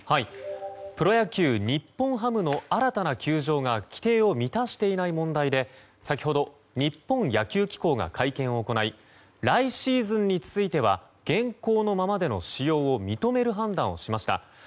プロ野球、日本ハムの新たな球場が規定を満たしていない問題で先ほど日本野球機構が会見を行い来シーズンについては現行のままでの使用を認める判断をしました。